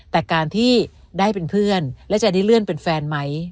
แต่การที่ได้เป็นเพื่อนและจะได้เลื่อนเป็นแฟนไหม